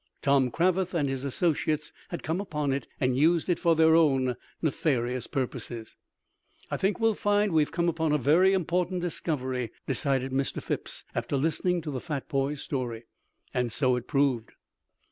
Tom Cravath and his associates had come upon it and used it for their own nefarious purposes. "I think we'll find we've come upon a very important discovery," decided Mr. Phipps after listening to the fat boy's story. And so it proved.